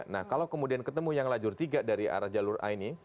nah kalau kemudian ketemu yang lajur tiga dari arah jalur a ini